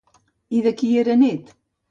I de qui era net?